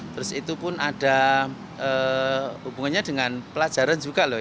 terus itu pun ada hubungannya dengan pelajaran juga loh